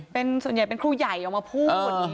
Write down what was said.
เป็นส่วนใหญ่เป็นครูใหญ่ออกมาพูด